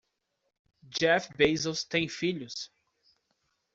Jeff Bezos tem filhos?